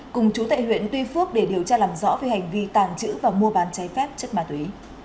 cùng chú tại huyện tuy phước để điều tra làm rõ về hành vi tàng trữ và mua bán cháy phép chất ma túy